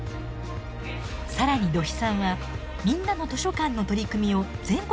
更に土肥さんはみんなの図書館の取り組みを全国へ発信しています。